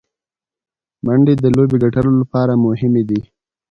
منډې د لوبي ګټلو له پاره مهمي دي.